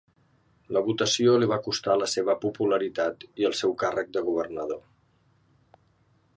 La votació li va costar la seva popularitat i el seu càrrec de governador.